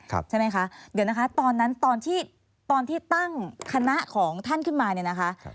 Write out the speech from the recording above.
เดี๋ยวนะคะตอนที่ตั้งคณะของท่านขึ้นมาเนี่ยนะคะ